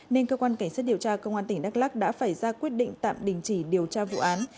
nên cơ quan cảnh sát điều tra công an tỉnh đắk lắc đã phải ra quyết định tạm đình chỉ điều tra vụ án